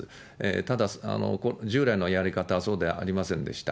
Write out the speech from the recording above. ただ、従来のやり方はそうではありませんでした。